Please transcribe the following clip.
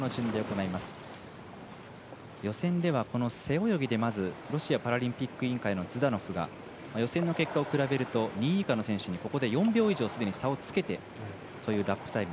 予選では背泳ぎでロシアパラリンピック委員会のズダノフが予選の結果を比べると２位以下の選手にここで４秒以上差をつけてというラップタイム。